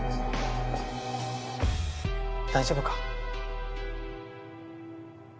大丈夫か？